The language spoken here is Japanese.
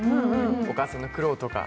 お母さんの苦労とか。